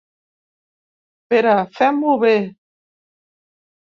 Però fem-ho bé.